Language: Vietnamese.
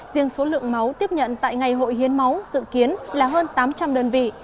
riêng số lượng máu tiếp nhận tại ngày hội hiến máu dự kiến là hơn tám trăm linh đơn vị